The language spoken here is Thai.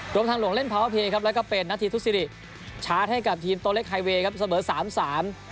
ชาร์จให้กับทีมโตเล็กไฮเวย์ครับเสมอ๓๓